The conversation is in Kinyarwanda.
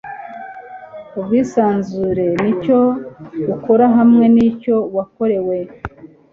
ubwisanzure nicyo ukora hamwe nicyo wakorewe